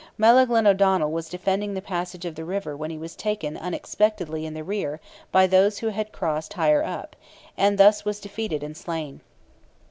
Melaghlin O'Donnell was defending the passage of the river when he was taken unexpectedly in the rear by those who had crossed higher up, and thus was defeated and slain.